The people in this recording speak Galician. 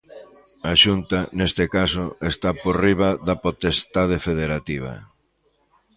A Xunta, neste caso, está por riba da potestade federativa.